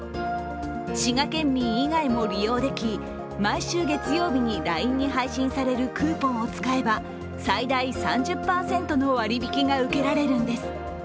滋賀県民以外も利用でき、毎週月曜日にＬＩＮＥに配信されるクーポンを使えば最大３０％の割引きが受けられるんです。